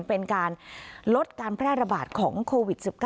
เป็นการลดการแพร่ระบาดของโควิด๑๙